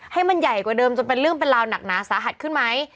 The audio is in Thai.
ให้มันใหญ่กว่าเดิมจนเป็นเรื่องเป็นราวหนักหนาสาหัสขึ้นไหม